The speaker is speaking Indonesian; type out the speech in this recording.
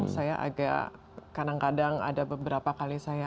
saya agak kadang kadang ada beberapa kali saya